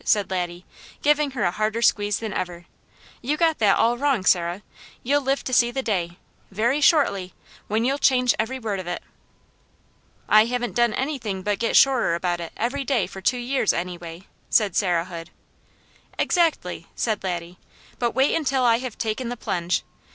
said Laddie, giving her a harder squeeze than ever. "You got that all wrong, Sarah. You'll live to see the day, very shortly, when you'll change every word of it." "I haven't done anything but get surer about it every day for two years, anyway," said Sarah Hood. "Exactly!" said Laddie, "but wait until I have taken the plunge!